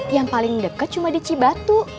yang paling dekat cuma di cibatu